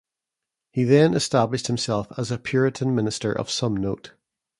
He then established himself as a Puritan Minister of some note.